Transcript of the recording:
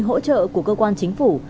hỗ trợ của cơ quan chính phủ